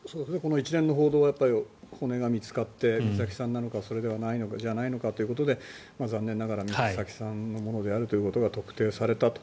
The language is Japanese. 一連の報道は骨が見つかった美咲さんなのかそうではないのかということで残念ながら美咲さんのものであるということが特定されたと。